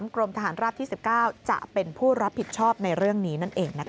กรมทหารราบที่๑๙จะเป็นผู้รับผิดชอบในเรื่องนี้นั่นเอง